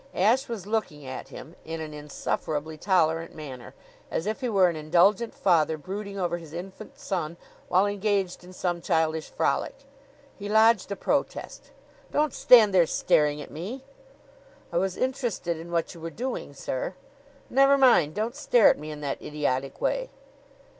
Ashe was looking at him in an insufferably tolerant manner, as if he were an indulgent father brooding over his infant son while engaged in some childish frolic. He lodged a protest. "Don't stand there staring at me!" "I was interested in what you were doing, sir." "Never mind! Don't stare at me in that idiotic way."